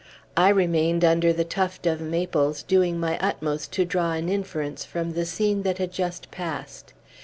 I remained under the tuft of maples, doing my utmost to draw an inference from the scene that had just passed.